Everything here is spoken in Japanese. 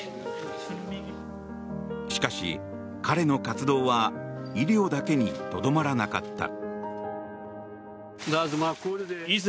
しかし、彼の活動は医療だけにとどまらなかった。